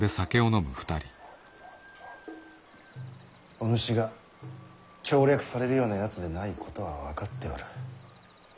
お主が調略されるようなやつでないことは分かっておる。